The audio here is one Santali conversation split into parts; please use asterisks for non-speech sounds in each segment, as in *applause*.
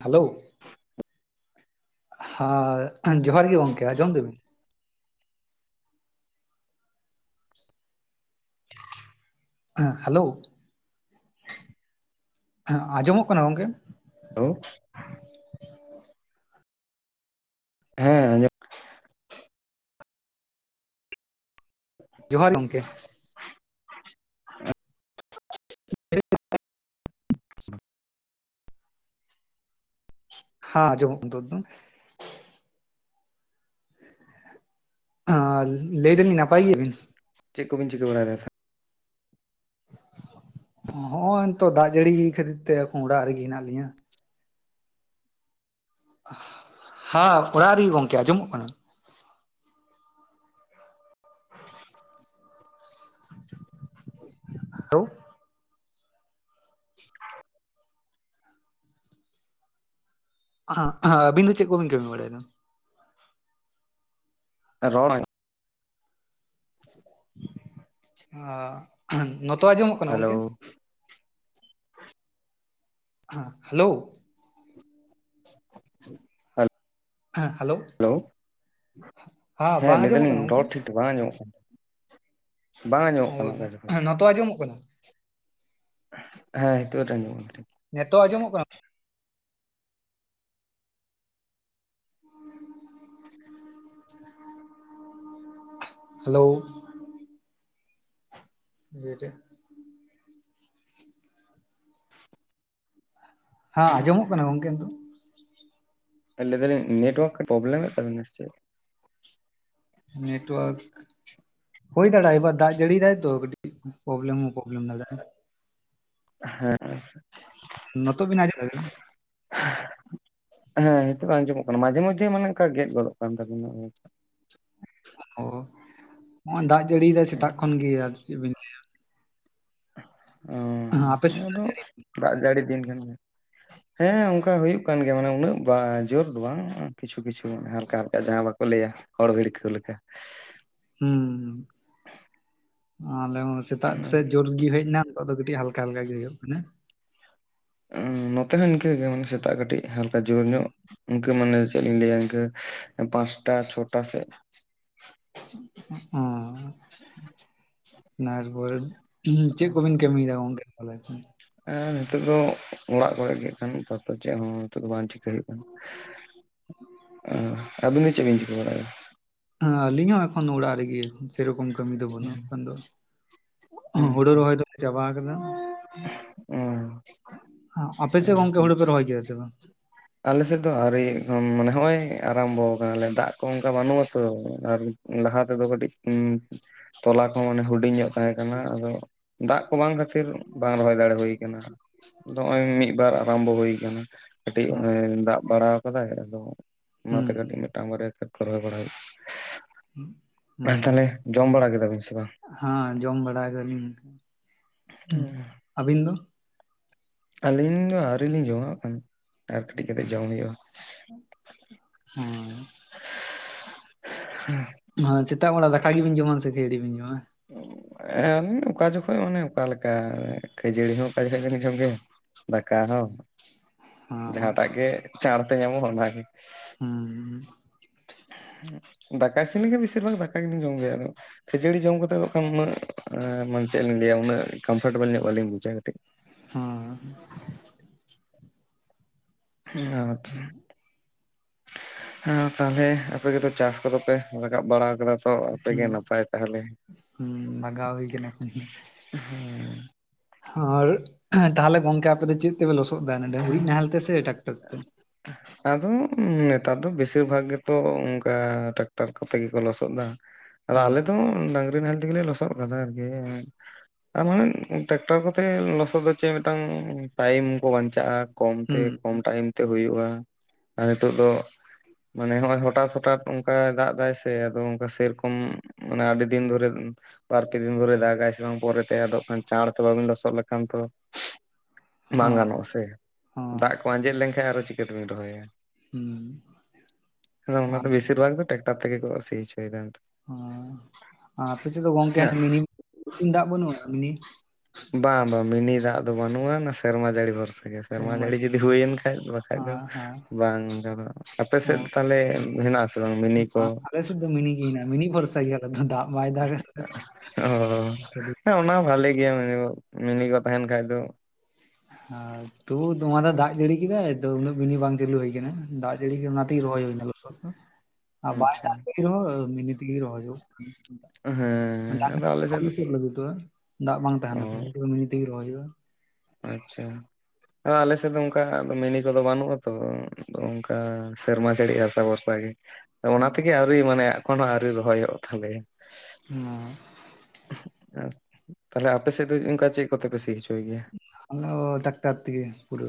ᱦᱮᱞᱳ *inaudible* ᱦᱟᱸ ᱡᱚᱦᱟᱨ ᱜᱮ ᱜᱚᱢᱠᱮ ᱟᱸᱡᱚᱢ ᱫᱟᱸᱵᱤᱧ? ᱦᱮᱸ ᱦᱮᱞᱳ ᱦᱮᱸ ᱟᱡᱚᱢᱚᱜ ᱠᱟᱱᱟ ᱜᱚᱝᱠᱮ? ᱦᱮᱞᱳ ᱦᱮᱸ ᱟᱸᱡᱚᱢ ᱡᱚᱦᱟᱨ ᱜᱮ ᱜᱚᱝᱠᱮ *inaudible* *inaudible* *inaudible* ᱦᱟᱸ ᱟᱡᱚᱢᱚᱜ ᱠᱟᱱᱟ ᱱᱤᱛᱚᱜ ᱫᱚ᱾ ᱟᱻ ᱞᱟᱹᱭ ᱫᱟᱞᱤᱧ ᱱᱟᱯᱟᱭ ᱜᱮᱭᱟᱵᱤᱱ? ᱪᱮᱫ ᱠᱚᱵᱤᱱ ᱪᱤᱠᱟᱹ ᱵᱟᱲᱟᱭᱫᱟ? ᱦᱚᱸᱜᱼᱚᱭ ᱱᱤᱛᱚᱜ ᱫᱟᱜ ᱡᱟᱹᱲᱤ ᱠᱷᱟᱹᱛᱤᱨ ᱛᱮ ᱚᱲᱟᱜ ᱨᱮᱜᱮ ᱦᱮᱱᱟᱜ ᱞᱤᱧᱟ᱾ ᱦᱟᱸ ᱚᱲᱟᱜ ᱨᱮ ᱜᱚᱝᱠᱮ ᱟᱸᱡᱚᱢᱚᱜ ᱠᱟᱱᱟ? ᱦᱮᱞᱳ ᱦᱟᱜ ᱦᱟᱜ ᱥᱵᱤᱱ ᱫᱚ ᱪᱮᱫ ᱠᱚ ᱵᱤᱱ ᱠᱟᱹᱢᱤ ᱵᱟᱲᱟᱭᱫᱟ? ᱨᱚᱲ ᱟᱡ *inaudible* ᱟ ᱱᱚᱛᱚ ᱟᱡᱚᱢᱚᱜ ᱠᱟᱱᱟ ᱦᱮᱞᱳ ᱜᱚᱝᱠᱮ? ᱦᱟ ᱦᱮᱞᱳ ᱦᱟᱞ ᱦᱮᱸ ᱦᱮᱞᱳ ᱦᱮᱞᱳ! ᱦᱮᱸ ᱵᱟᱝ ᱞᱟᱹᱭ ᱟᱸᱡᱚᱢᱚᱜ ᱫᱟᱞᱤᱧ ᱠᱟᱱᱟ ᱜᱚᱝᱠᱮ ᱨᱚᱲ ᱴᱷᱤᱠ ᱵᱟᱝ ᱟᱸᱡᱚᱢᱚᱜ ᱠᱟᱱᱟ᱾ ᱵᱟᱝ ᱟᱸᱡᱚᱢᱚᱜ ᱠᱟᱱᱟ ᱚᱠᱟ ᱦᱳᱭ, ᱡᱚᱠᱷᱚᱡ ᱱᱚᱛᱚ ᱟᱸᱡᱚᱢᱚᱜ ᱠᱟᱱᱟ? ᱦᱮᱸ ᱱᱤᱛᱚᱜ ᱠᱟᱹᱴᱤᱡ ᱟᱡᱚᱢᱚᱜ ᱠᱟᱱᱟ᱾ ᱱᱮᱛᱚᱜ ᱟᱸᱡᱚᱢᱚᱜ ᱠᱟᱱᱟ? ᱦᱮᱞᱳᱻ *unintelligible* ᱦᱟᱸ, ᱟᱸᱡᱚᱢᱚᱜ ᱠᱟᱱᱟ ᱜᱚᱝᱠᱮ ᱱᱤᱛᱳᱜ? ᱞᱟᱹᱭ ᱫᱟᱞᱤᱧ ᱱᱮᱴᱳᱣᱟᱨᱠ ᱯᱨᱚᱵᱞᱮᱢ ᱮᱫ ᱛᱟᱵᱮᱱᱟ ᱥᱮ ᱪᱮᱫ? ᱱᱮᱴᱣᱟᱨᱠ ᱦᱳᱭ ᱫᱟᱲᱮᱭᱟᱜ-ᱟ, ᱮ ᱵᱟᱛ ᱫᱟᱜ ᱡᱟᱲᱤ ᱫᱟᱭ ᱛᱚ ᱠᱟᱴᱤᱡ ᱯᱨᱚᱵᱞᱮᱢ ᱦᱚᱸ ᱯᱨᱚᱵᱞᱮᱢ ᱫᱟᱲᱮᱜ-ᱟ ᱾ ᱦᱮᱸᱻ ᱱᱚᱛᱳᱜ ᱵᱮᱱ ᱟᱸᱡᱚᱢ ᱫᱟ ᱵᱮᱱ? ᱦᱮᱸ ᱱᱤᱛᱳᱜ ᱫᱚ ᱟᱸᱡᱚᱢᱚᱜ ᱠᱟᱱᱟ᱾ ᱢᱟᱡᱷᱮ ᱢᱚᱫᱷᱮ ᱢᱟᱱᱮ ᱚᱱᱠᱟ ᱜᱮᱫ ᱜᱚᱫᱚᱜ ᱠᱟᱱ ᱛᱟᱵᱮᱱᱟ᱾ ᱚ, ᱦᱚᱸᱜ-ᱚᱭ ᱫᱟᱜ ᱡᱟᱹᱲᱤᱭ ᱮᱫᱟᱭ ᱥᱮᱛᱟᱜ ᱠᱷᱚᱱ ᱜᱮ ᱟᱨ ᱪᱮᱫ ᱵᱤᱱ ᱚ ᱞᱟᱹᱭᱟ ᱟᱯᱮ ᱥᱮᱫ ᱫᱟᱜ ᱟᱫᱚ ᱡᱟᱹᱲᱤ ᱫᱟᱜ ᱡᱟᱹᱲᱤ ᱫᱤᱱ ᱠᱟᱱ ᱜᱮᱭᱟ᱾ ᱦᱮᱸ ᱚᱱᱠᱟ ᱦᱩᱭᱩᱜ ᱠᱟᱱ ᱜᱮᱭᱟ ᱢᱟᱱᱮ ᱩᱱᱟᱹᱜ ᱵᱟ ᱡᱳᱨ ᱫᱚ ᱵᱟᱝ ᱠᱤᱪᱷᱩ ᱠᱤᱪᱷᱩ ᱦᱟᱞ ᱠᱟ ᱦᱟᱞᱠᱟ ᱡᱟᱦᱟᱸ ᱵᱟᱠᱚ ᱞᱟᱹᱭᱼᱟ ᱦᱚᱲ ᱵᱷᱤᱲᱠᱟᱹᱣ ᱞᱮᱠᱟ᱾ ᱦᱩᱸ ᱟᱞᱮ ᱦᱚᱸ ᱥᱮᱛᱟᱜ ᱥᱮᱫ ᱡᱳᱨ ᱜᱮ ᱦᱮᱡ ᱮᱱᱟ, ᱱᱤᱛᱚᱜ ᱫᱚ ᱠᱟᱹᱴᱤᱡ ᱦᱟᱞᱠᱟ ᱦᱟᱞᱠᱟ ᱜᱮ ᱦᱩᱭᱩᱜ ᱠᱟᱱᱟ᱾ ᱱᱚᱛᱮ ᱦᱚᱸ ᱤᱱᱠᱟᱹ ᱜᱮ ᱥᱮᱛᱟᱜ ᱠᱟᱹᱴᱤᱡ ᱦᱟᱞᱠᱟ ᱡᱳᱨ ᱧᱚᱜ ᱤᱱᱠᱟᱹ ᱢᱟᱱᱮ ᱪᱮᱫ ᱞᱤᱧ ᱞᱟᱹᱭᱟ ᱤᱱᱠᱟᱹ ᱯᱟᱸᱪᱴᱟ ᱪᱷᱚᱴᱟ ᱥᱮᱫ ᱾ ᱚᱻ, *inaudible* *unintelligible* ᱛᱤᱦᱤᱧ ᱪᱮᱫ ᱠᱚᱵᱤᱱ ᱠᱟᱹᱢᱤᱭ ᱫᱟ ᱜᱚᱝᱠᱮ ᱛᱟᱦᱚᱞᱮ ᱠᱷᱟᱱ? ᱦᱮᱸ, ᱱᱤᱛᱚᱜ ᱫᱚ ᱚᱲᱟᱜ ᱠᱚᱨᱮ ᱜᱮ ᱠᱟᱢᱤ ᱛᱟᱨᱯᱚᱨ ᱪᱮᱫ ᱦᱚᱸ ᱱᱤᱛᱚᱜ ᱫᱚ ᱵᱟᱝ ᱪᱤᱠ ᱟᱹ ᱦᱩᱭᱩᱜ ᱠᱟᱱᱟ ᱾ *inaudible* ᱚ, ᱟᱵᱤᱱ ᱫᱚ ᱪᱮᱫ ᱵᱤᱱ ᱪᱤᱠᱟᱹ ᱵᱟᱲᱟᱭᱟ? ᱦᱮᱸ ᱟᱞᱤᱧ ᱦᱚᱸ ᱮᱠᱷᱚᱱ ᱚᱲᱟᱜ ᱨᱮᱜᱮ ᱾ ᱥᱮᱨᱚᱠᱚᱢ ᱠᱟᱹᱢᱤ ᱫᱚ ᱵᱟᱹᱱᱩᱜ-ᱟ ᱮᱠᱷᱚᱱ ᱫᱚ᱾ *inaudible* ᱦᱳᱲᱳ ᱨᱚᱦᱚᱭ ᱫᱚᱞᱮ ᱪᱟᱵᱟ ᱟᱠᱟᱫᱟ ᱾ *inaudible* ᱚ, ᱟᱯᱮ ᱥᱮᱫ ᱜᱚᱝᱠᱮ ᱦᱩᱲᱩ ᱯᱮ ᱨᱚᱦᱚᱭ ᱜᱮᱭᱟ ᱥᱮ ᱵᱟᱝ? ᱟᱞᱮ ᱥᱮᱫ ᱫᱚ ᱟᱣᱨᱤ ᱮᱠᱷᱚᱱ, ᱢᱟᱱᱮ ᱱᱚᱜᱼᱚᱭ ᱟᱨᱟᱢᱵᱚ ᱟᱠᱟᱱᱟᱞᱮ, ᱫᱟᱜ ᱠᱚ ᱚᱱᱠᱟ ᱵᱟᱹᱱᱩᱜ ᱟᱛᱚ ᱟᱨ ᱞᱟᱦᱟ ᱛᱮᱫᱚ ᱠᱟᱹᱴᱤᱡ ᱩᱸ ᱛᱚᱞᱟ ᱠᱚ ᱢᱟᱱᱮ ᱦᱩᱰᱤᱧ ᱧᱚᱜ ᱛᱟᱦᱮᱸ ᱠᱟᱱᱟ, ᱟᱫᱚ ᱫᱟᱜ ᱠᱚ ᱵᱟᱝ ᱠᱷᱟᱹᱛᱤᱨ ᱵᱟᱝ ᱨᱚᱦᱚᱭ ᱫᱟᱲᱮ ᱦᱩᱭ ᱟᱠᱟᱱᱟ ᱾ *inaudible* ᱟᱫᱚ ᱦᱚᱸᱜ-ᱚᱭ ᱢᱤᱫ ᱵᱟᱨ ᱟᱨᱟᱢᱵᱚ ᱦᱩᱭ ᱟᱠᱟᱱᱟ ᱾ *inaudible* ᱠᱟᱹᱴᱤᱡ ᱚᱱᱮ ᱫᱟᱜ ᱵᱟᱲᱟ ᱟᱠᱟᱫᱟᱭ ᱟᱫᱚ ᱦᱩᱸ ᱚᱱᱟᱛᱮ ᱠᱟᱹᱴᱤᱡ ᱢᱤᱫᱴᱟᱝ ᱵᱟᱨᱭᱟ ᱠᱷᱮᱛ ᱠᱚ ᱨᱚᱦᱚᱭ ᱵᱟᱲᱟ *unintelligible* ᱾ ᱦᱩᱸ ᱟᱨ ᱛᱟᱦᱚᱞᱮ ᱡᱚᱢ ᱵᱟᱲᱟ ᱠᱮᱫᱟ ᱵᱤᱱ ᱥᱮ ᱵᱟᱝ? ᱦᱮᱸ, ᱡᱚᱢ ᱵᱟᱲᱟ ᱠᱟᱫᱟᱞᱤᱧ᱾ *inaudible* ᱟᱹᱵᱤᱱ ᱫᱚ? ᱟᱹᱞᱤᱧ ᱫᱚ ᱟᱹᱣᱨᱤ ᱞᱤᱧ ᱡᱚᱢᱟᱼᱟ ᱠᱷᱟᱱ ᱟᱨ ᱠᱟᱹᱴᱤᱡ ᱠᱟᱛᱮᱫ ᱡᱚᱢ ᱦᱩᱭᱩᱜᱼᱟ ᱾ *inaudible* ᱦᱚᱭ᱾ ᱦᱮᱸ ᱾ ᱦᱮᱸ, ᱥᱮᱛᱟᱜ ᱵᱮᱲᱟ ᱫᱟᱠᱟ ᱜᱮᱵᱤᱱ ᱡᱚᱢᱟ ᱥᱮ ᱠᱷᱟᱹᱡᱟᱹᱲᱤ ᱵᱤᱱ ᱡᱚᱢᱟ? ᱟᱞᱤᱧ ᱫᱚ ᱚᱠᱟ ᱡᱚᱠᱷᱚᱡ ᱚᱱᱮ ᱚᱠᱟ ᱞᱮᱠᱟ, ᱠᱷᱟᱹᱡᱟᱹᱲᱤ ᱦᱚᱸ ᱚᱠᱟ ᱡᱚᱠᱷᱚᱡ ᱫᱚᱞᱤᱧ ᱡᱚᱢ ᱜᱮᱭᱟ, ᱫᱟᱠᱟ ᱦᱚᱸ, *inaudible* ᱦᱚᱸ ᱡᱟᱦᱟᱸᱴᱟᱜ ᱜᱮ ᱪᱟᱬᱛᱮ ᱧᱟᱢᱚᱜᱼᱟ ᱚᱱᱟ ᱜᱮ ᱾ ᱦᱩᱸ ᱾ *inaudible* ᱫᱟᱠᱟ ᱤᱥᱤᱱ ᱞᱮᱱᱠᱷᱟᱱ ᱵᱮᱥᱤᱨ ᱵᱷᱟᱜᱽ ᱫᱟᱠᱟ ᱜᱮᱞᱤᱧ ᱡᱚᱢ ᱜᱮᱭᱟ ᱾ ᱟᱫᱚ ᱠᱷᱟᱹᱡᱟᱹᱲᱤ ᱡᱚᱢ ᱠᱟᱛ ᱮᱫ ᱵᱟᱠᱷᱟᱱ ᱩᱱᱟᱹᱜ ᱢᱟᱱᱮ ᱪᱮᱫ ᱞᱤᱧ ᱞᱟᱹᱭᱟ ᱩᱱᱟᱹᱜ ᱠᱚᱢᱯᱷᱚᱨᱴᱮᱵᱮᱞ ᱧᱚᱜ ᱵᱟᱞᱤᱧ ᱵᱩᱡᱟ ᱠᱟᱹᱴᱤᱡ ᱾ ᱦᱩᱸ ᱾ ᱦᱚ ᱦᱮᱸ ᱛᱟᱦᱚᱞᱮ ᱟᱯᱮ ᱠᱚᱫᱚ ᱪᱟᱥ ᱠᱚᱫᱚ ᱯᱮ ᱨᱟᱠᱟᱵ ᱵᱟᱲᱟ ᱟᱠᱟᱫᱟ? ᱛᱚ ᱟᱯᱮᱜᱮ ᱦᱩᱸ ᱱᱟᱯᱟᱭ ᱛᱟᱦᱚᱞᱮ ᱦᱩᱸ ᱵᱟᱜᱟᱣ ᱦᱩᱭ ᱟᱠᱟᱱᱟ ᱮᱠᱷᱚᱱ ᱫᱚ᱾ ᱟᱨ ᱛᱟᱦᱞᱮ ᱜᱚᱝᱠᱮ ᱟᱯᱮ ᱫᱚ ᱪᱮᱫ ᱛᱮᱯᱮ ᱞᱚᱥᱚᱫ ᱮᱫᱟ? ᱚᱱᱮ ᱰᱟᱺᱜᱨᱤᱡ ᱱᱟᱦᱮᱞ ᱛᱮ ᱥᱮ ᱴᱟᱠᱴᱟᱨ ᱛᱮ? ᱟᱫᱚ ᱱᱮᱛᱟᱨ ᱫᱚ ᱵᱮᱥᱤᱨ ᱵᱷᱟᱜᱽ ᱜᱮᱛᱚ ᱚᱱᱠᱟ ᱴᱨᱟᱠᱴᱟᱨ ᱠᱚᱛᱮ ᱜᱮᱠᱚ ᱞᱚᱥᱚᱫ ᱫᱟ᱾ ᱟᱨ ᱦᱩᱸ ᱟᱞᱮ ᱫᱚ ᱰᱟᱝᱨᱤ ᱱᱟᱦᱮᱞ ᱛᱮᱜᱮ ᱞᱮ ᱞᱚᱥᱚᱫ ᱟᱠᱟᱫᱟ ᱟᱨᱠᱤ ᱦᱮ᱾ *unintelligible* ᱴᱮᱠᱴᱟᱨ ᱠᱚᱛᱮ ᱞᱚᱥᱚᱫ ᱫᱚ ᱪᱮᱫ ᱢᱤᱫᱴᱟᱝ ᱴᱟᱭᱤᱢ ᱠᱚ ᱵᱟᱧᱪᱟᱜ-ᱟ ᱠᱚᱢ ᱛᱮ ᱦᱩᱸ ᱾ ᱠᱚᱢ ᱴᱟᱭᱤᱢ ᱛᱮ ᱦᱩᱭᱩᱜ-ᱟ ᱟᱨ ᱱᱤᱛᱚᱜ ᱫᱚ ᱢᱟᱱᱮ ᱦᱚᱜ-ᱚᱭ ᱦᱚᱴᱟᱛ ᱦᱚᱴᱟᱛ ᱚᱱᱠᱟ ᱫᱟᱜ ᱮᱫᱟᱭ ᱥᱮ ᱾ ᱟᱫᱚ ᱚᱱᱠᱟ ᱥᱮᱨᱚᱠᱚᱢ ᱢᱟᱱᱮ ᱟᱹᱰᱤ ᱫᱤᱱ ᱫᱷᱚᱨᱮ ᱠᱷᱚᱱ ᱵᱟᱨ ᱯᱮ ᱫᱤᱱ ᱫᱷᱚᱨᱮ ᱫᱟᱜᱟᱭ ᱥᱮ ᱵᱟᱝ ᱯᱚᱨᱮᱛᱮ ᱟᱫᱚᱜ ᱠᱷᱟᱱ ᱪᱟᱬ ᱛᱮ ᱵᱟᱵᱤᱱ ᱞᱚᱥᱚᱜ ᱞᱮᱠᱷᱟᱱ ᱛᱚ ᱵᱟᱝ ᱦᱚᱸ ᱜᱟᱱᱚᱜ-ᱟ ᱥᱮ, ᱦᱚᱸ ᱫᱟᱜ ᱠᱚ ᱟᱸᱡᱮᱫ ᱞᱮᱱᱠᱷᱟᱱ ᱟᱨᱚ ᱪᱤᱠᱟᱹ ᱛᱮᱵᱤᱱ ᱨᱚᱦᱚᱭᱟ᱾ ᱦᱩᱸ ᱟᱫᱚ ᱚᱱᱟ ᱫᱚ ᱦᱩᱸ ᱵᱮᱥᱤᱨ ᱵᱷᱟᱜ ᱜᱮ ᱴᱮᱠ ᱴᱟᱨ ᱛᱮᱜᱮ ᱠᱚ ᱥᱤ ᱦᱚᱪᱚᱭᱮᱫᱟ᱾ ᱚ ᱟᱨ ᱟᱯᱮ ᱥᱮᱫ ᱫᱚ ᱜᱚᱝᱠᱮ ᱱᱮᱛᱟᱨ᱾ ᱢᱤᱱᱤ ᱫᱟᱜ ᱵᱟᱹᱱᱩᱜ-ᱟ? ᱢᱤᱱᱤ ᱵᱟᱝ ᱵᱟᱝ ᱢᱤᱱᱤ ᱫᱟᱜ ᱫᱚ ᱵᱟᱹᱱᱩᱜ-ᱟ ᱚᱱᱣᱟ ᱱᱟ ᱥᱮᱨᱢᱟ ᱡᱟᱹᱲᱤ ᱵᱷᱚᱨᱥ ᱟ ᱥᱮᱨᱢᱟ ᱡᱟᱹᱲᱤ ᱡᱩᱫᱤ ᱦᱩᱭᱮᱱ ᱠᱷᱟᱡ ᱟᱨ ᱵᱟᱠᱷᱟᱡ ᱫᱚ ᱦᱮᱸ ᱦᱮᱸ ᱵᱟᱝ ᱡᱟᱦᱟᱱᱟᱜ ᱟᱯᱮ ᱚ ᱥᱮᱫ ᱛᱟᱦᱚᱞᱮ ᱦᱮᱱᱟᱜ-ᱟ ᱥᱮ ᱵᱟᱝ ᱢᱤᱱᱤ ᱠᱚ? ᱟᱞᱮ ᱫᱚ ᱢᱤᱱᱤ ᱜᱮ ᱦᱮᱱᱟᱜ-ᱟ᱾ ᱢᱤᱱᱤ ᱵᱷᱚᱨᱥᱟ ᱜᱮ ᱦᱟᱜ ᱟᱞᱮ ᱫᱚ ᱫᱟᱜ ᱵᱟᱭ ᱫᱟᱜᱟ ᱚ ᱦᱮᱸ ᱚᱱᱟ ᱦᱚ ᱵᱷᱟᱞᱮ ᱜᱮᱭᱟ ᱢᱤᱱᱤ ᱢᱤᱱᱤ ᱠᱚ ᱛᱟᱦᱮᱱ ᱠᱷᱟᱡ ᱫᱚ ᱦᱟ ᱛᱩᱨ ᱫᱚᱢᱟᱫᱟ ᱫᱟᱜ ᱡᱟᱹᱲᱤ ᱠᱮᱫᱟᱭ, ᱛᱚ ᱩᱱᱟᱹᱜ ᱢᱤᱱᱤ ᱵᱟᱝ ᱪᱟᱹᱞᱩ ᱦᱩᱭ ᱟᱠᱟᱱᱟ ᱾ ᱫᱟᱜ ᱡᱟᱹᱲᱤ ᱚᱱᱟ ᱛᱮᱜᱮ ᱨᱚᱦᱚᱭ ᱦᱩᱭ ᱮᱱᱟ᱾ ᱞᱚᱥᱚᱫ ᱟ ᱵᱟᱭ ᱟᱪᱪᱷᱟ ᱫᱟᱜ ᱡᱟᱲᱤ ᱨᱮᱦᱚ ᱢᱤᱱᱤ ᱛᱮᱜᱮ ᱨᱚᱦᱚᱭ ᱦᱩᱭᱩᱜ ᱠᱷᱟᱱ ᱦᱮᱸ ᱟᱫᱚ ᱟᱞᱮ ᱥᱮᱫ ᱴᱟᱠ *inaudible* ᱫᱟᱜ ᱵᱟᱝ ᱛᱟᱦᱮ ᱚ ᱱᱟᱠᱩ ᱩᱱ ᱢᱤᱱᱤ ᱛᱮᱜᱮ ᱨᱚᱦᱚᱭ ᱦᱩᱭᱩᱜ-ᱟ᱾ ᱟᱪᱪᱷᱟ ᱟᱫᱚ ᱟᱞᱮ ᱥᱮᱫ ᱫᱚ ᱚᱱᱠᱟ ᱢᱤᱱᱤ ᱠᱚ ᱫᱚ ᱵᱟᱹᱱᱩᱜ ᱟᱛᱚ ᱾ ᱫᱚ ᱚᱝᱠᱟ ᱥᱮᱨᱢᱟ ᱡᱟᱲᱤ ᱟᱥᱟ ᱵᱷᱚᱨᱥᱟ ᱜᱮ᱾ ᱚᱱᱟ ᱛᱮ ᱜᱮ ᱟᱹᱣᱨᱤ ᱢᱟᱱᱮ ᱮᱠᱷᱚᱱᱚ ᱟᱹᱣᱨᱤ ᱨᱚᱦᱚᱭᱚᱜ ᱛᱟᱞᱮᱭᱟ᱾ *inaudible* ᱦᱮᱸ ᱟᱨ ᱛᱟᱦᱚᱞᱮ ᱟᱯᱮ ᱥᱮᱫ ᱫᱚ ᱚᱱᱠᱟ ᱪᱮᱫ ᱠᱚᱛᱮ ᱯᱮ ᱥᱤ ᱦᱚᱪᱚᱭ ᱜᱮᱭᱟ? ᱟᱛᱚ ᱴᱟᱠᱴᱟᱨ ᱛᱮ ᱜᱮ ᱯᱩᱨᱟᱹ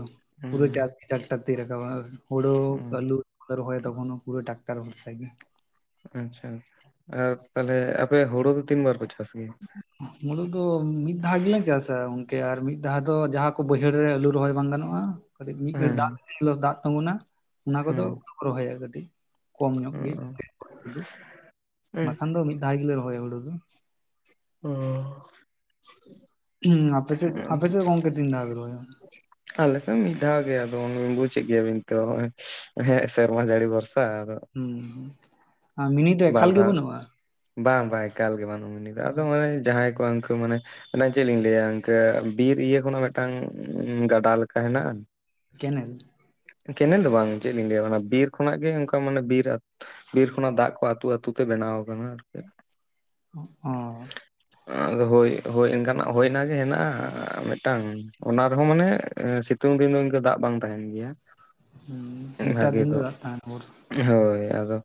ᱯᱩᱨᱟᱹ ᱪᱟᱥ ᱦᱩᱸ ᱜᱮ ᱴᱟᱠᱴᱟᱨ ᱛᱮ ᱜᱮ ᱨᱟᱠᱟᱵᱟ᱾ ᱦᱳᱲᱳ ᱠᱟᱞᱩ ᱨᱚᱦᱚᱭᱟ ᱛᱚᱠᱷᱚᱱᱚ ᱯᱩᱨᱟᱹ ᱴᱨᱟᱠᱴᱟᱨ ᱵᱚᱨᱥᱟ ᱜᱮ᱾ ᱟᱪᱪᱷᱟ ᱟᱨ ᱛᱟᱦᱟᱞᱮ ᱟᱯᱮ ᱦᱩᱲᱩ ᱫᱚ ᱛᱤᱱ ᱵᱟᱨ ᱯᱮ ᱪᱟᱥ ᱜᱮᱭᱟ? ᱢᱩᱲᱩ ᱫᱚ ᱢᱤᱫ ᱫᱷᱟᱣ ᱜᱮᱞᱮ ᱪᱟᱥᱟ ᱜᱚᱝᱠᱮ ᱟᱨ ᱢᱤᱫ ᱫᱷᱟᱣ ᱫᱚ ᱡᱟᱦᱟᱸ ᱠᱚ ᱵᱟᱹᱭᱦᱟᱹᱲ ᱨᱮ ᱟᱹᱞᱩ ᱨᱚᱦᱚᱭ ᱵᱟᱝ ᱜᱟᱱᱚᱜ-ᱟ ᱚᱠᱟ ᱥᱤᱫ ᱢᱤᱫ ᱜᱷᱟᱹᱲᱤᱡ ᱦᱮᱸ ᱫᱟᱜ ᱫᱟᱜ ᱛᱤᱜᱩᱱᱟ ᱚᱱᱟ ᱠᱚᱫᱚ ᱦᱮᱸ ᱨᱚᱦᱚᱭ ᱮᱥᱮᱫᱤ᱾ ᱠᱚᱢ ᱧᱚᱜ ᱜᱮ *inaudible* ᱵᱟᱠᱷᱟᱱ ᱫᱚ ᱢᱤᱫ ᱫᱷᱟᱣ ᱜᱮᱞᱮ ᱨᱚᱦᱚᱭᱟ ᱦᱩᱲᱩ ᱫᱚ᱾ ᱚ ᱦᱩᱸ ᱟᱯᱮ ᱥᱮᱫ ᱟᱯᱮ ᱥᱮᱫ ᱜᱚᱝᱠᱮ ᱛᱤᱱ ᱫᱷᱟᱹᱣ ᱯᱮ ᱨᱚᱦᱚᱭᱟ? *unintelligible* ᱟᱞᱮᱥ ᱢᱤᱫ ᱫᱷᱟᱣ ᱜᱮ ᱟᱫᱚ ᱵᱩᱡᱮᱫ ᱜᱮᱭᱟ ᱵᱤᱱ ᱛᱚ ᱦᱮᱸ ᱥᱮᱨᱢᱟ ᱡᱟᱹᱲᱤ ᱵᱷᱚᱨᱥᱟ ᱟᱫᱚ ᱾ ᱦᱩᱸ ᱟᱨ ᱢᱤᱱᱤ ᱫᱚ ᱮᱠᱟᱞ ᱜᱮ ᱫᱷᱟᱣ ᱵᱟᱹᱱᱩᱜ-ᱟ? ᱵᱟᱝ ᱵᱟᱝ ᱮᱠᱟᱞ ᱜᱮ ᱵᱟᱹᱱᱩᱜ-ᱟ ᱢᱤᱱᱤ ᱫᱚ ᱟᱫᱚ ᱢᱟᱱᱮ ᱡᱟᱦᱟᱸᱭ ᱠᱚ ᱩᱱᱠᱩ ᱢᱟᱱᱮ᱾ ᱢᱟᱱᱮ ᱪᱮᱫ ᱞᱤᱧ ᱞᱟᱹᱭᱟ ᱤᱱᱠᱟᱹ ᱵᱤᱨ ᱤᱭᱟᱹ ᱠᱷᱚᱱᱟᱜ ᱢᱤᱫᱴᱟᱝ ᱜᱟᱰᱟ ᱞᱮᱠᱟ ᱦᱮᱱᱟᱜ-ᱟ᱾ ᱠᱮᱱᱮᱞ ᱠᱮᱱᱮᱞ ᱫᱚ ᱵᱟᱝ ᱪᱮᱫ ᱞᱤᱧ ᱞᱟᱹᱭᱟ ᱵᱤᱨ ᱠᱷᱚᱱᱟᱜ ᱜᱮ ᱚᱱᱠᱟ ᱢᱟᱱᱮ ᱵᱤᱨ ᱵᱤᱨ ᱠᱷᱚᱱᱟᱜ ᱫᱟᱜ᱾ ᱯᱟ ᱟᱹᱛᱩ ᱟᱹᱛᱩ ᱛᱮ ᱵᱮᱱᱟᱣ ᱟᱠᱟᱱᱟ ᱟᱨᱠᱤ ᱾ ᱚ᱾ ᱟᱫᱚ ᱦᱳᱭ᱾ ᱦᱳᱭ ᱚᱱᱠᱟᱱᱟᱜ ᱦᱳᱭ ᱚᱱᱟᱜᱮ ᱦᱮᱱᱟᱜᱼᱟ ᱢᱤᱫᱴᱟᱝ᱾ ᱚᱱᱟ ᱨᱮᱦᱚᱸ ᱢᱟᱱᱮ ᱮ ᱥᱤᱛᱩᱝ ᱫᱤᱱ ᱫᱚ ᱤᱱᱠᱟᱹ ᱫᱟᱜ ᱵᱟᱝ ᱛᱟᱦᱮᱱ ᱜᱮᱭᱟ᱾ ᱦᱩᱸᱢ ᱱᱮᱛᱟᱨ ᱫᱤᱱ ᱫᱚ ᱫᱟᱜ ᱛᱟᱦᱮᱱ ᱵᱷᱳᱨ᱾ ᱦᱳᱭ ᱟᱫᱚ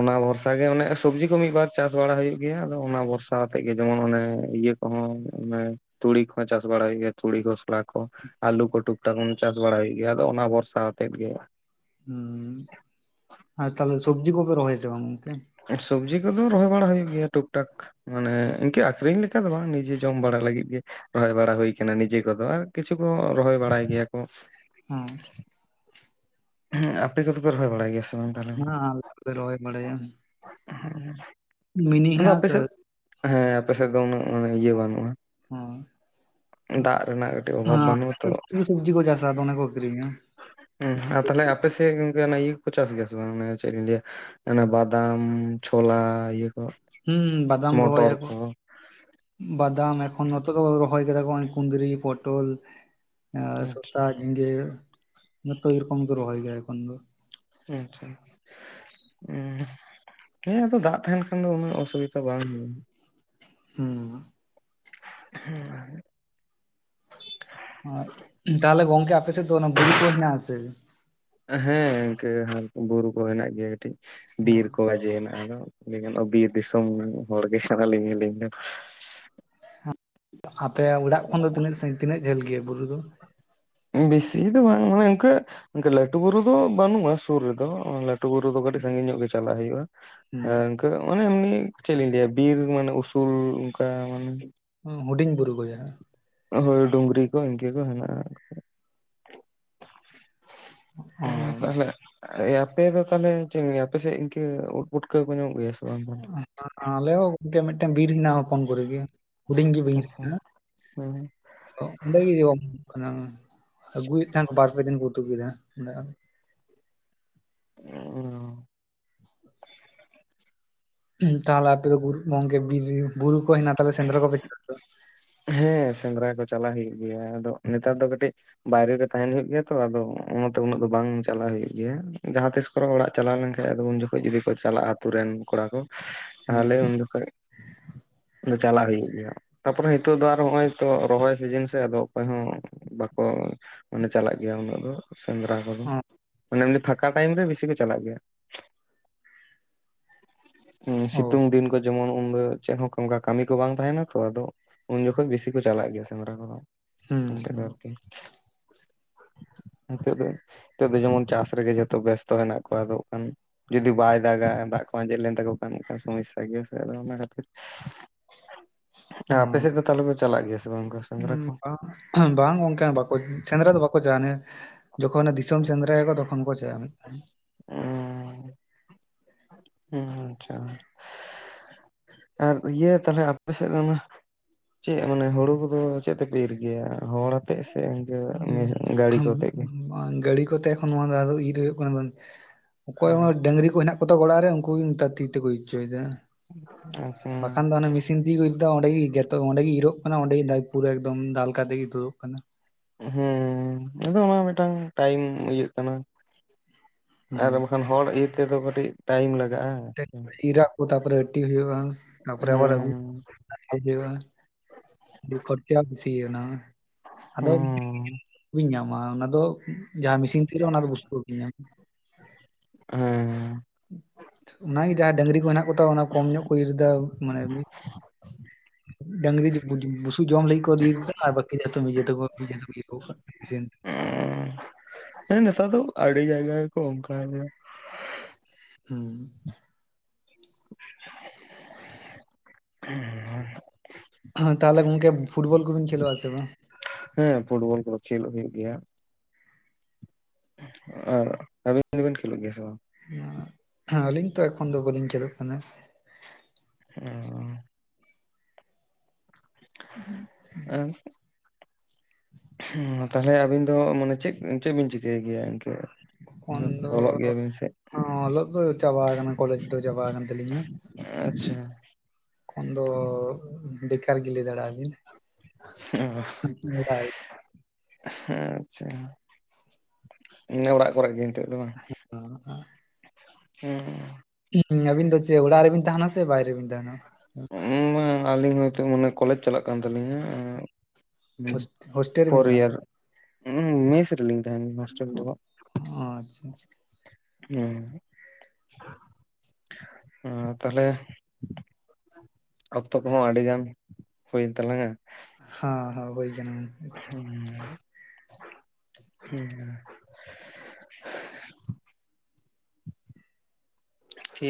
ᱚᱱᱟ ᱵᱷᱚᱨᱥᱟ ᱜᱮ ᱚᱱᱮ ᱟ ᱥᱚᱵᱽᱡᱤ ᱠᱚ ᱢᱤᱫ ᱵᱟᱨ ᱪᱟᱥ ᱵᱟᱲᱟ ᱦᱩᱭᱩᱜ ᱜᱮᱭᱟ ᱟᱫᱚ ᱚᱱᱟ ᱵᱷᱚᱨᱥᱟᱣᱟᱛᱮᱜ ᱜᱮ ᱡᱮᱢᱚᱱ ᱟᱱᱮ ᱤᱭᱟᱹ ᱦᱩᱸ ᱚᱱᱮ ᱛᱩᱲᱤ ᱠᱚ ᱦᱚᱸ ᱪᱟᱥ ᱵᱟᱲᱟ ᱦᱩᱭᱩᱜ ᱜᱮᱭᱟ ᱛᱩᱲᱤ ᱜᱷᱚᱥᱞᱟ ᱠᱚ᱾ ᱟᱞᱩ ᱠᱚ ᱴᱩᱠᱴᱟᱠ ᱟᱱ ᱪᱟᱥ ᱵᱟᱲᱟᱭ ᱦᱩᱭᱩᱜ ᱜᱮᱭᱟ᱾ ᱟᱫᱚ ᱚᱱᱟ ᱵᱷᱚᱨᱥᱟ ᱟᱛᱮᱫ ᱜᱮ᱾ ᱦᱩᱸ ᱟᱨ ᱛᱟᱞᱦᱮ ᱥᱚᱵᱽᱡᱤ ᱠᱚ ᱯᱮ ᱨᱚᱦᱚᱭ ᱟᱥᱮ ᱵᱟᱝ ᱜᱚᱝᱠᱮ᱾ ᱥᱚᱵᱽᱡᱤ ᱠᱚ ᱫᱚ ᱨᱚᱦᱚᱭ ᱵᱟᱲᱟ ᱦᱩᱭᱩᱜ ᱜᱮᱭᱟ ᱴᱩᱠ ᱴᱟᱠ᱾ ᱢᱟᱱᱮ ᱤᱱᱠᱟᱹ ᱟᱠᱷᱨᱤᱧ ᱞᱮᱠᱟ ᱫᱚ ᱵᱟᱝ ᱱᱤᱡᱮ ᱡᱚᱢ ᱵᱟᱲᱟ ᱞᱟᱹᱜᱤᱫ ᱜᱮ᱾ ᱨᱚᱦᱚᱭ ᱵᱟᱲᱟ ᱦᱩᱭ ᱠᱟᱱᱟ ᱱᱤᱡᱮ ᱠᱚ ᱫᱚ ᱟᱨ ᱠᱤᱪᱷᱩ ᱠᱚ ᱨᱚᱦᱚᱭ ᱵᱟᱲᱟᱭ ᱜᱮᱭᱟ ᱠᱚ᱾ ᱦᱩᱸ᱾ ᱦᱮᱸ᱾ ᱟᱯᱮ ᱠᱚᱫᱚ ᱯᱮ ᱨᱚᱦᱚᱭ ᱵᱟᱲᱟᱭ ᱜᱮᱭᱟ ᱥᱮ? ᱵᱟᱝ ᱛᱟᱦᱚᱞᱮ ᱚᱱᱟ ᱟᱨ *inaudible* ᱠᱚᱯᱣ ᱨᱚᱦᱚᱭ ᱵᱟᱲᱟᱭᱟ᱾ ᱢᱤᱱᱤ ᱟᱫᱚ ᱦᱮᱱᱟᱜ ᱟᱯᱮ ᱟᱥᱮ ᱥᱮᱫ᱾ ᱦᱮᱸ ᱟᱯᱮ ᱥᱮᱫ ᱫᱚ ᱩᱱᱟᱹᱜ ᱢᱟᱱᱮ ᱤᱭᱟᱹ ᱵᱟᱹᱱᱩᱜᱼᱟ᱾ ᱦᱩᱸ᱾ ᱫᱟᱜ ᱨᱮᱱᱟᱜ ᱜᱮ᱾ ᱦᱮᱸ *unintelligible* ᱥᱚᱵᱽᱡᱤ ᱠᱚ ᱪᱟᱥᱟ ᱟᱫᱚ ᱚᱱᱟ ᱠᱚ ᱠᱨᱤᱧᱟ᱾ ᱦᱩᱸ ᱟᱨ ᱛᱟᱦᱞᱮ ᱟᱯᱮᱥᱮᱫ ᱜᱚᱝᱠᱮ ᱚᱱᱟ ᱤᱭᱟᱹ ᱠᱚᱠᱚ ᱪᱟᱥ ᱜᱮᱭᱟ ᱥᱮ ᱵᱟᱝ ᱚᱱᱟ ᱪᱮᱫ ᱤᱧ ᱞᱟᱹᱭᱟ? ᱢᱟᱱᱮ ᱵᱟᱫᱟᱢ ᱪᱷᱳᱞᱟ ᱤᱭᱟᱹ ᱠᱚ᱾ ᱦᱩᱸ ᱵᱟᱫᱟᱢ ᱨᱚᱦᱚᱭᱟ ᱠᱚ᱾ ᱵᱟᱫᱟᱢ ᱮᱠᱷᱚᱱ ᱱᱚᱛᱮ ᱫᱚ ᱨᱚᱦᱚᱭ ᱠᱟᱫᱟ ᱠᱚ ᱦᱚᱸᱜ-ᱚᱭ ᱠᱩᱫᱨᱤ ᱯᱚᱴᱚᱞ᱾ ᱟᱸ ᱟᱪᱪᱷᱟ ᱥᱚᱥᱟ ᱡᱷᱤᱸᱜᱟᱹ ᱡᱚᱛᱚ ᱜᱮ ᱨᱚᱠᱚᱢ ᱜᱮ ᱨᱚᱦᱚᱭ ᱜᱮᱭᱟ ᱮᱠᱷᱚᱱ ᱫᱚ᱾ ᱟᱪᱪᱷᱟ᱾ ᱦᱮᱸ ᱟᱫᱚ ᱫᱟᱜ ᱛᱟᱦᱮᱱ ᱠᱷᱟᱱ ᱫᱚ ᱩᱱᱟᱹᱜ ᱚᱥᱩᱵᱤᱛᱟ ᱵᱟᱝ ᱦᱩᱭᱩᱜ᱾ ᱦᱮᱸ᱾ ᱦᱮᱸ ᱟᱫᱚ ᱟᱨ ᱛᱟᱦᱚᱞᱮ ᱜᱚᱝᱠᱮ ᱟᱯᱮᱥᱮᱫ ᱫᱚ ᱚᱱᱟ ᱵᱩᱨᱩ ᱠᱚ ᱦᱤᱱᱟᱹᱜ ᱟ ᱥᱮ? ᱦᱮᱸ ᱜᱚᱝᱠᱮ ᱵᱩᱨᱩ ᱠᱚ ᱦᱮᱱᱟᱜ ᱜᱮᱭᱟ ᱠᱟᱹᱴᱤᱡ ᱵᱤᱨ ᱦᱮᱸ, ᱠᱚ ᱜᱟᱡᱮ ᱦᱮᱱᱟᱜᱼᱟ᱾ ᱡᱮᱢᱚᱱ ᱚ ᱵᱤᱨ ᱫᱤᱥᱚᱢ ᱦᱚᱲ ᱜᱮ ᱥᱟᱱᱟ ᱞᱤᱧ ᱟᱹᱞᱤᱧ ᱫᱚ᱾ ᱟᱯᱮ ᱚᱲᱟᱜ ᱠᱷᱚᱱ ᱫᱚ ᱛᱤᱱᱟᱹᱜ ᱥᱟᱺᱜᱤᱧ ᱛᱤᱱᱟᱹᱜ ᱡᱷᱟᱹᱞ ᱜᱮᱭᱟ ᱵᱩᱨᱩ ᱫᱚ? ᱵᱤᱥᱤ ᱫᱚ ᱵᱟᱝ ᱢᱟᱱᱮ ᱚᱱᱠᱟ ᱤᱱᱠᱟᱹ ᱞᱟᱹᱴᱩ ᱵᱩᱨᱩ ᱫᱚ ᱵᱟᱹᱱᱩᱜᱼᱟ ᱥᱩᱨ ᱨᱮᱫᱚ ᱟ ᱞᱟᱴ ᱴᱩ ᱵᱩᱨᱩ ᱫᱚ ᱠᱟᱹᱴᱤᱡ ᱥᱟᱺᱜᱤᱧ ᱧᱚᱜ ᱜᱮ ᱪᱟᱞᱟᱜ ᱦᱩᱭᱩᱜᱼᱟ ᱦᱩᱸ, ᱟᱨ ᱤᱱᱠᱟᱹ ᱢᱟᱱᱮ ᱮᱢᱱᱤ ᱪᱮᱫ ᱞᱤᱧ ᱞᱟᱹᱭᱟ ᱵᱤᱨ ᱢᱟᱱᱮ ᱩᱥᱩᱞ ᱚᱱᱠᱟ ᱢᱟᱱᱮ ᱦᱩᱸ ᱦᱩᱰᱤᱧ ᱵᱩᱨᱩ ᱵᱚᱭᱦᱟ᱾ ᱦᱳᱭ ᱰᱩᱝᱨᱤ ᱠᱚ ᱤᱱᱠᱟᱹ ᱠᱚ ᱦᱮᱱᱟᱜᱼᱟ᱾ ᱚ ᱦᱮᱸ ᱛᱟᱦᱞᱮ ᱮ ᱟᱯᱮ ᱫᱚ ᱛᱟᱦᱞᱮ ᱪᱮᱫ ᱤᱧᱞᱟᱹᱭᱟ ᱟᱞᱮᱥᱮᱫ ᱤᱱᱠᱟᱹ ᱩᱫᱽ ᱯᱩᱴᱠᱟᱹ ᱠᱚ ᱧᱟᱢᱚᱜ ᱜᱮᱭᱟ? ᱥᱮ ᱵᱟᱝ ᱛᱟᱦᱞᱮ? ᱟᱞᱮᱦᱚᱸ ᱜᱚᱝᱠᱮ ᱢᱤᱫᱴᱮᱱ ᱵᱤᱨ ᱦᱮᱱᱟ-ᱲ ᱦᱚᱯᱚᱱ ᱠᱚᱨᱮ ᱜᱮ᱾ ᱦᱩᱰᱩᱧ ᱜᱮ *unintelligible* ᱛᱚ ᱚᱸᱰᱮ ᱜᱮ ᱦᱩᱭᱩᱜ-ᱟ *unintelligible* ᱟᱹᱜᱩᱭᱮᱫ ᱛᱟᱦᱮᱸᱱ ᱠᱚ ᱵᱟᱨ ᱯᱮ ᱫᱤᱱ ᱠᱚ ᱠᱮᱫᱟ᱾ ᱚ᱾ *inaudible* ᱛᱟᱦᱚᱞᱮ ᱟᱯᱮ ᱫᱚ ᱵᱩᱨᱩ ᱜᱚᱝᱠᱮ, ᱵᱩᱨᱩ ᱠᱚ ᱦᱮᱱᱟ, ᱛᱟᱦᱮᱞᱮ ᱥᱮᱸᱫᱽᱨᱟ ᱠᱚᱯᱮ ᱪᱟᱞᱟᱜ ᱛᱚ? ᱦᱮᱸ ᱥᱮᱸᱫᱽᱨᱟ ᱠᱚ ᱪᱟᱞᱟᱜ ᱦᱩᱭᱩᱜᱭ ᱜᱮᱭᱟ, ᱟᱫᱚ ᱱᱮᱛᱟᱨ ᱫᱚ ᱠᱟᱹᱴᱤᱡ ᱵᱟᱭᱨᱮ ᱨᱮ ᱛᱟᱦᱮᱱ ᱦᱳᱭᱳᱜ ᱜᱮᱭᱟ ᱛᱚ, ᱟᱫᱚ ᱚᱱᱟᱛᱮ ᱩᱱᱟᱹᱜ ᱫᱚ ᱵᱟᱝ ᱪᱟᱞᱟᱜ ᱦᱳᱭᱳᱜ ᱜᱮᱭᱟ ᱡᱟᱦᱟᱸ ᱛᱤᱥ᱾ ᱠᱚ ᱨᱮ ᱚᱲᱟᱜ ᱪᱟᱞᱟᱣ ᱞᱮᱱ ᱠᱷᱟᱱ ᱟᱫᱚ ᱩᱱ ᱡᱚᱠᱷᱚᱱ ᱡᱩᱫᱤ ᱠᱚ ᱪᱟᱞᱟᱜᱼᱟ ᱟᱛᱩ ᱾ ᱨᱮᱱ ᱠᱚᱲᱟ ᱠᱚ ᱛᱟᱦᱚᱞᱮ ᱩᱱ ᱡᱚᱠᱷᱚ᱾ ᱪᱟᱞᱟᱜ ᱦᱳᱭᱳᱠ ᱜᱮᱭᱟ, ᱛᱟᱯᱚᱨᱮ ᱦᱤᱛᱳᱜ ᱫᱚ ᱟᱨ ᱦᱚᱜᱼᱚᱭ ᱛᱚ ᱨᱚᱦᱚᱭ ᱥᱤᱡᱤᱱ ᱥᱮ, ᱟᱫᱚ ᱚᱠᱚᱸᱭ ᱦᱚᱸ ᱵᱟᱠᱚ ᱢᱟᱱᱮ ᱪᱟᱞᱟᱜ ᱜᱮᱭᱟ ᱩᱱᱟᱹᱜ ᱫᱚ ᱥᱮᱸᱫᱽᱨᱟ ᱠᱚᱫᱚ᱾ ᱦᱩᱸ ᱢᱚᱱᱮ ᱮᱢᱱᱤ ᱯᱷᱟᱸᱠᱟ ᱴᱟᱭᱤᱢ ᱨᱮ, ᱵᱤᱥᱤ ᱠᱚ ᱪᱟᱞᱟᱜ ᱜᱮᱭᱟ ᱾ ᱚ ᱦᱩᱸᱥᱤᱛᱩᱝ ᱫᱤᱱ ᱠᱚ ᱡᱮᱢᱚᱱ ᱩᱱᱫᱚ ᱪᱮᱫ ᱦᱚᱸ ᱠᱢᱠᱟ ᱠᱟᱹᱢᱤ ᱠᱚ ᱵᱟᱝ ᱛᱟᱦᱮᱱᱟ ᱛᱚ, ᱟᱫᱚ ᱩᱱ ᱡᱚᱠᱷᱚᱱ ᱵᱤᱥᱤ ᱠᱚ ᱪᱟᱞᱟᱜ ᱜᱮᱭᱟ ᱥᱮᱸᱫᱽᱨᱟ ᱠᱚᱫᱚ ᱦᱩᱸ ᱾ ᱦᱩᱸ *unintelligible* *unintelligible* *inaudible* *inaudible* ᱱᱤᱛᱚᱜ ᱫᱚ ᱱᱤᱛᱚᱜ ᱫᱚ, ᱡᱮᱢᱚᱱ ᱪᱟᱥ ᱨᱮᱜᱮ ᱡᱚᱛᱚ ᱵᱮᱥᱛᱚ ᱦᱮᱱᱟᱜ ᱠᱚᱣᱟ ᱟᱫᱚᱠᱷᱟᱱ ᱾ ᱡᱩᱫᱤ ᱵᱟᱭ ᱫᱟᱜᱟ, ᱫᱟᱜ ᱠᱚ ᱟᱸᱡᱮᱫ ᱞᱮᱱ ᱛᱟᱠᱚ ᱠᱷᱟᱱ, ᱚᱱᱠᱟ ᱥᱚᱢᱚᱥᱟ ᱜᱮᱭᱟ ᱥᱮ, ᱚᱱᱟ ᱠᱷᱟᱹᱛᱤᱨ ᱾ ᱚ ᱟᱯᱮ ᱥᱮᱫ ᱫᱚ ᱛᱟᱦᱞᱮ ᱯᱮ, ᱪᱟᱞᱟᱜ ᱜᱮᱭᱟ ᱥᱮ ᱵᱟᱝ ᱚᱝᱠᱟ ᱥᱮᱸᱫᱽᱨᱟ ᱠᱚ? ᱵᱟᱝ ᱵᱟᱝ ᱜᱚᱝᱠᱮ ᱵᱟᱠᱚ ᱥᱮᱸᱫᱽᱨᱟ ᱫᱚ, ᱵᱟᱠᱚ ᱪᱟ ᱾ ᱡᱚᱠᱷᱚ ᱱᱮ ᱫᱤᱥᱚᱢ ᱥᱮᱸᱫᱽᱨᱟ ᱭᱟᱠᱚ, ᱛᱚᱠᱷᱚᱱ ᱠᱚ ᱪᱟᱜᱼᱟ ᱢᱤᱫᱴᱟᱱ᱾ ᱚ, ᱦᱚ ᱟᱪᱪᱷᱟ, ᱟᱨ ᱤᱭᱟᱹ ᱛᱟᱦᱞᱮ ᱟᱯᱮ ᱥᱮᱫ ᱫᱚ ᱩᱱᱟ? ᱪᱮᱫ ᱢᱟᱱᱮ ᱦᱳᱲᱩ ᱠᱚᱫᱚ, ᱪᱮᱫ ᱛᱮᱯᱮ ᱤᱨ ᱜᱮᱭᱟ, ᱦᱚᱲ ᱟᱛᱮᱜ ᱥᱮ ᱜᱟᱹᱲᱤ ᱠᱚ, ᱟᱛᱮᱫ ᱜᱮ? ᱜᱟᱹᱲᱤ ᱠᱚᱛᱮ ᱮᱠᱷᱚᱱ ᱱᱚᱣᱟ ᱫᱷᱟᱣ ᱫᱚ, ᱤᱨ ᱦᱳᱭᱳᱜ ᱠᱟᱱᱟ ᱵᱟᱝ, ᱚᱠᱚᱭ ᱦᱚ ᱦᱮᱸ ᱰᱟᱝᱨᱤ ᱠᱚ ᱦᱮᱱᱟᱜ ᱠᱚᱛᱚᱠ ᱚᱲᱟᱜ ᱨᱮ ᱩᱱᱠᱩᱜᱤ ᱱᱮᱛᱟᱨ ᱛᱤ ᱛᱮᱠᱚ, ᱤᱨ ᱚᱪᱚᱭᱮᱫᱟ ᱟᱪᱪᱷᱟ ᱵᱟᱠᱷᱟᱱ ᱫᱚ ᱚᱱᱮ ᱢᱮ ᱢᱤᱥᱤᱱ ᱛᱤᱜᱤ ᱠᱚ ᱤᱨ ᱫᱟ, ᱚᱸᱰᱮ ᱜᱮ ᱜᱮᱫᱚᱜ, ᱚᱸᱰᱮ ᱜᱮ ᱤᱨᱚᱜ ᱠᱟᱱᱟ, ᱚᱸᱰᱮ ᱜᱮ ᱯᱩᱨᱟᱹ ᱮᱠᱫᱚᱢ ᱫᱟᱞ ᱠᱟᱛᱮ ᱜᱮ ᱛᱩᱫᱩᱜ ᱠᱟᱱᱟ ᱾ ᱦᱮᱸ ᱟᱫᱚ ᱚᱱᱟ ᱢᱤᱫᱴᱟᱝ ᱴᱟᱭᱤᱢ ᱤᱭᱟᱹᱜ ᱠᱟᱱᱟ᱾ ᱦᱩᱸ ᱟᱫᱚ ᱵᱟᱠᱷᱟᱱ, ᱦᱚᱲ ᱤᱨ ᱛᱮᱫᱚ ᱠᱟᱹᱴᱤᱡ ᱴᱟᱭᱤᱢ ᱞᱟᱜᱟᱜᱼᱟ ᱤᱨ ᱨᱟᱠᱚ ᱛᱟᱨᱯᱚᱨᱮ ᱟᱴᱤ ᱦᱳᱭᱩᱜᱼᱟ, ᱛᱟᱨᱯᱚᱨᱮ ᱟᱜᱩ ᱦᱮᱸ ᱦᱳᱭᱩᱜᱼᱟ᱾ ᱟᱹᱰᱤ ᱠᱚᱛᱮ ᱵᱤᱥᱼᱟᱱᱟ *unintelligible* *unintelligible* ᱟᱫᱚ ᱦᱩᱸ *unintelligible* ᱧᱟᱢᱟ ᱚᱱᱟ ᱫᱚ ᱡᱟᱦᱟᱸ ᱢᱮᱥᱤᱱ ᱤᱨ ᱚᱱᱟ ᱫᱚ ᱵᱩᱥᱩᱠ ᱵᱟᱠᱤᱱ ᱧᱟᱢᱟ ᱾ ᱦᱮᱸ, ᱚᱱᱟᱜᱮ ᱡᱟᱦᱟᱸ ᱰᱟᱝᱨᱤ ᱠᱚ ᱦᱮᱱᱟᱜ ᱠᱚᱛᱟ ᱠᱚᱢ ᱧᱚᱜ ᱠᱚ ᱤᱨ ᱫᱟ ᱢᱟᱱᱮ ᱾ ᱰᱟᱝᱨᱤ ᱵᱩᱥᱩ ᱡᱚᱢ ᱞᱟᱹᱜᱤᱫ ᱠᱚ ᱤᱫᱤᱭᱟ ᱠᱚ, ᱛᱮ ᱟᱨ ᱵᱟᱠᱤ ᱡᱚᱛᱚ ᱱᱤᱡᱮᱛᱮᱠᱚ ᱱᱤᱡᱮᱛᱮ ᱠᱚ ᱤᱭᱟᱹᱜᱚᱜ ᱠᱟᱜᱼᱟ᱾ ᱡ *inaudible* *unintelligible* ᱦᱮᱸ ᱱᱮᱛᱟᱨ ᱫᱚ ᱟᱹᱰᱤ ᱡᱟᱭᱜᱟ ᱜᱮ ᱠᱚ ᱚᱝᱠᱟ ᱜᱮ᱾ ᱦᱩᱸ, ᱦᱮᱸ *inaudible* ᱛᱟᱦᱚᱞᱮ ᱜᱚᱝᱠᱮ ᱯᱷᱩᱴᱵᱚᱞ ᱠᱚᱵᱤᱱ, ᱠᱷᱮᱞᱚᱜᱼᱟ ᱥᱮ ᱵᱟᱝ? ᱦᱮᱸ ᱯᱷᱩᱴᱵᱚᱞ ᱠᱚᱫᱚ, ᱠᱷᱮᱞᱚᱜ ᱦᱳᱭᱳᱜ ᱜᱮᱭᱟ᱾ ᱟᱨ ᱟᱵᱤᱱ ᱫᱚ ᱵᱤᱱ ᱠᱷᱮᱞᱚᱜ ᱜᱮᱭᱟ ᱥᱮ ᱵᱟᱝ? ᱟᱹᱞᱤᱧ ᱛᱚ ᱮᱠᱷᱚᱱ ᱫᱚ, ᱵᱟᱹᱞᱤᱧ ᱠᱷᱮᱞᱚᱜ ᱠᱟᱱᱟ᱾ ᱦ *unintelligible* *unintelligible* ᱦ *inaudible* *unintelligible* ᱟᱨ ᱦᱩ ᱛᱟᱦᱞᱮ ᱟᱵᱤᱱ ᱫᱚ ᱢᱟᱱᱮ, ᱪᱮᱫ- ᱪᱮᱫ ᱵᱤᱱ ᱪᱤᱠᱟᱹᱭ ᱜᱮᱭᱟ ᱮᱱᱛᱮᱜ᱾ ᱚᱞᱚᱜ ᱜᱮᱭᱟᱵᱤᱱ ᱥᱮ? ᱚᱸ ᱚᱞᱚᱜ ᱫᱚ ᱪᱟᱵᱟ ᱠᱟᱱᱟ, ᱠᱚᱞᱮᱡᱽ ᱫᱚ ᱪᱟᱵᱟ ᱠᱟᱱ ᱛᱟᱹᱞᱤᱧᱟ᱾ ᱟᱪᱪᱷᱟ ᱟᱫᱚ ᱵᱮᱠᱟᱨ ᱜᱮ ᱞᱟᱹᱭ ᱫᱟᱲᱮᱟᱜᱼᱟ ᱵᱤᱱ᱾ ᱚᱲᱟᱜ ᱨᱮ *unintelligible* ᱦᱮᱸ ᱟᱪᱪᱷᱟ ᱤᱱᱟᱹ ᱚᱲᱟᱜ ᱠᱚᱨᱮ ᱜᱮ ᱪᱮᱜ ᱦᱚ ᱵᱟᱝ *inaudible* ᱦᱩᱸᱻ ᱦᱮᱸ ᱟᱵᱤᱱ ᱪᱮᱫ ᱚᱲᱟᱜ ᱨᱮᱵᱤᱱ ᱛᱟᱦᱮᱱᱟ ᱥᱮ ᱵᱟᱭᱨᱮ ᱨᱮᱵᱤᱱ ᱛᱟᱦᱮᱱᱟ *unintelligible* ᱟᱞᱤᱧ ᱦᱚᱭ ᱛᱳ ᱢᱟᱱᱮ ᱠᱚᱞᱮᱡ ᱪᱟᱞᱟᱜ ᱠᱟᱱ ᱛᱟᱞᱤᱧᱟ ᱦᱩᱸ ᱦᱳᱥᱴᱮᱞ ᱨᱮᱵᱤᱱ ᱯᱷᱳᱨ ᱛᱟᱦᱮᱱᱟ ᱤᱭᱟᱨ ᱦᱩᱻ ᱢᱮᱥ ᱨᱮ ᱞᱤᱧ ᱛᱟᱦᱮᱱᱟ ᱜᱮᱭᱟ ᱦᱚᱥᱴᱮᱞ ᱨᱮ ᱫᱚ ᱚ ᱟᱪᱪᱷᱟ ᱵᱟᱝ *unintelligible* ᱛᱟᱦᱞᱮ ᱚᱠᱛᱚ ᱠᱚᱦᱚᱸ ᱟᱹᱰᱤ ᱜᱟᱱ ᱦᱩᱭᱮᱱ ᱛᱟᱞᱟᱝ-ᱟ ᱦᱟᱸ ᱦᱟᱸ ᱦᱚᱭ ᱠᱟᱱᱟ ᱜᱚᱝᱼᱼ ᱦᱩᱸ *inaudible* ᱦᱩᱸ ᱴᱷᱤᱠ